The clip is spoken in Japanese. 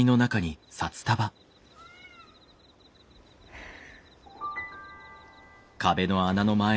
ふう。